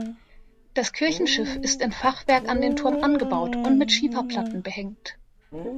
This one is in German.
Das Kirchenschiff ist in Fachwerk an den Turm angebaut und mit Schieferplatten behängt.